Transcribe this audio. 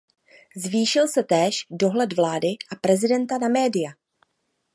Zvýšil se též dohled vlády a prezidenta na média.